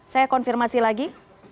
saya konfirmasi lagi